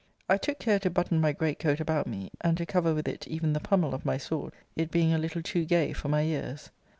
I took care to button my great coat about me, and to cover with it even the pummel of my sword, it being a little too gay for my years.